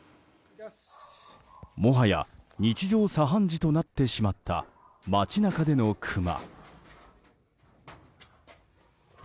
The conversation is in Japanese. もはや日常茶飯事となってしまった街中でのクマ。